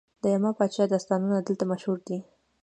د یما پاچا داستانونه دلته مشهور دي